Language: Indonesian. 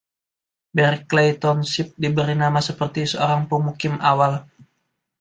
Barclay Township diberi nama seperti seorang pemukim awal.